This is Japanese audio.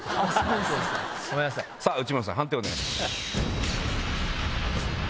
内村さん判定をお願いします。